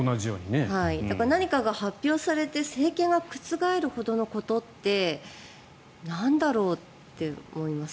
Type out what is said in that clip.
何かが発表されて政権が覆るほどのことってなんだろう？って思います。